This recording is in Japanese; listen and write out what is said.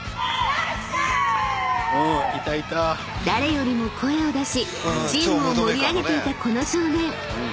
［誰よりも声を出しチームを盛り上げていたこの少年］